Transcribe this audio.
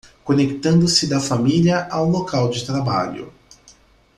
Conectando-se da família ao local de trabalho